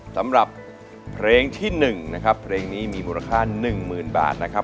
สำหรับเพลงที่หนึ่งนะครับเพลงนี้มีมูลค่าหนึ่งหมื่นบาทนะครับ